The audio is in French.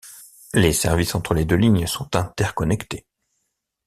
Les services entre les deux lignes sont interconnectés.